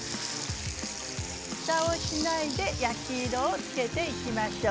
ふたをしないで焼き色をつけていきましょう。